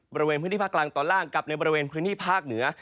บริเวณพื้นที่ภาคกลางตอนล่างกับในบริเวณพื้นที่ภาคเหนือ